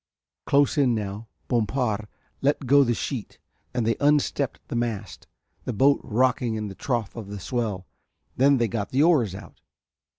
Close in now Bompard let go the sheet and they unstepped the mast, the boat rocking in the trough of the swell. Then they got the oars out.